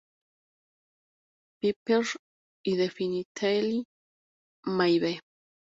Pepper y Definitely Maybe.